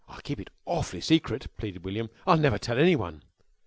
"] "I'll keep it awfully secret," pleaded William. "I'll never tell anyone."